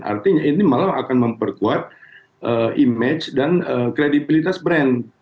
artinya ini malah akan memperkuat image dan kredibilitas brand